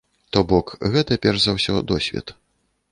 То бок, гэта перш за ўсё досвед.